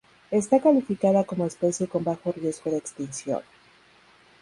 Está calificada como especie con bajo riego de extinción.